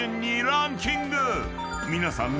［皆さんの］